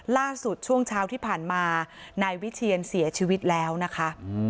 ช่วงเช้าที่ผ่านมานายวิเชียนเสียชีวิตแล้วนะคะ